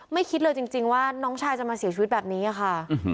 คิดเลยจริงว่าน้องชายจะมาเสียชีวิตแบบนี้ค่ะ